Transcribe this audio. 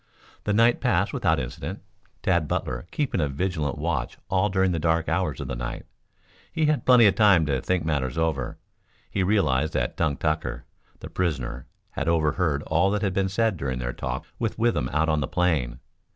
The night passed without incident, Tad Butler keeping a vigilant watch all during the dark hours of the night. He had plenty of time to think matters over. He realized that Dunk Tucker, the prisoner, had overheard all that had been said during their talk with Withem out on the plain.